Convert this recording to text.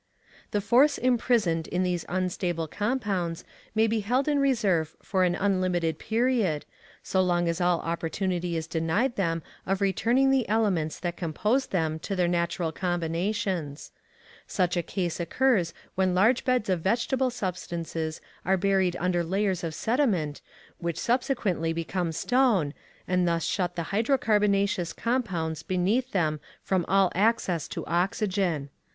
The force imprisoned in these unstable compounds may be held in reserve for an unlimited period, so long as all opportunity is denied them of returning the elements that compose them to their original combinations. Such a case occurs when large beds of vegetable substances are buried under layers of sediment which subsequently become stone, and thus shut the hydrocarbonaceous compounds beneath them from all access to oxygen.